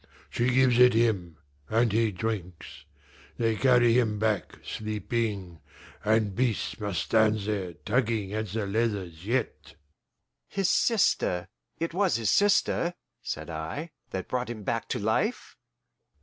She gives it him, and he drinks; they carry him back, sleeping, and Beast must stand there tugging at the leathers yet." "His sister it was his sister," said I, "that brought him back to life?"